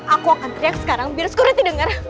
aku akan teriak sekarang biar sekurangnya didengar